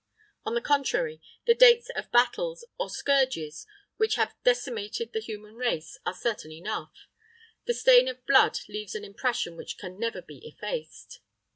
On the contrary, the dates of battles, or scourges which have decimated the human race, are certain enough: the stain of blood leaves an impression which can never be effaced.